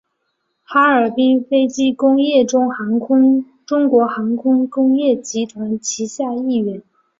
哈尔滨飞机工业中国航空工业集团旗下一员。